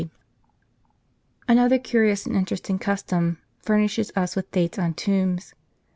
w century (a. d, 350). Another curious and interesting custom furnisiies us with dates on tombs.